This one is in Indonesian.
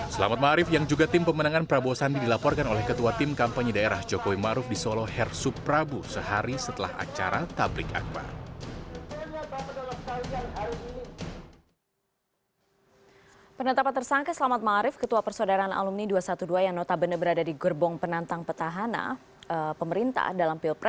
selamat ma'arif yang juga tim pemenangan prabowo sandi dilaporkan oleh ketua tim kampanye daerah jokowi maruf di solo hersup prabu sehari setelah acara tablik akbar